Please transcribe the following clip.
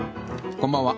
こんばんは。